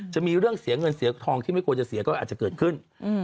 จะมีเรื่องเสียเงินเสียทองที่ไม่ควรจะเสียก็อาจจะเกิดขึ้น